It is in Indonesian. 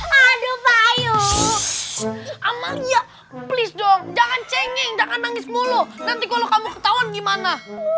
aduh ayo aman ya please dong jangan cengeng jangan nangis mulu nanti kalau kamu ketahuan gimana